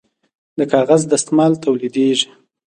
د کاغذ دستمال تولیدیږي